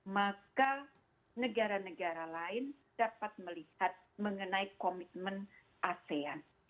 maka negara negara lain dapat melihat mengenai komitmen asean